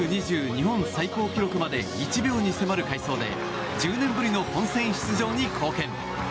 日本最高記録まで１秒に迫る快走で１０年ぶりの本選出場に貢献。